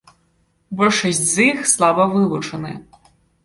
Большасць з іх слаба вывучаны.